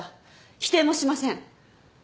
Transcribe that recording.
否定もしません。